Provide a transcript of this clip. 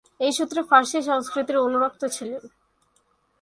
এই সূত্রে ফারসী সংস্কৃতির অনুরক্ত ছিলেন।